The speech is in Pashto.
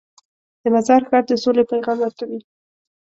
د مزار ښار د سولې پیغام ورکوي.